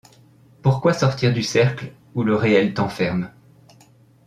Pourquoi sortir du cercle où le réel t’enferme ?